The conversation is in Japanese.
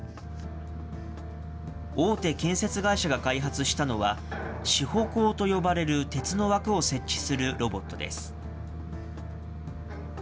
大手建設会社が開発したのは、支保工と呼ばれる鉄の枠を設置するロボットです。